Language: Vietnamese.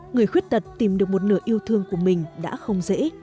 người khuyết tật tìm được một nửa yêu thương của mình đã không dễ